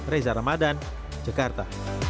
reza ramadan jakarta